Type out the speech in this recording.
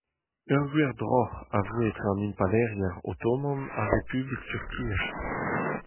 Ur gwir droc'h a voe etre an Impalaeriezh Otoman ha Republik Turkia.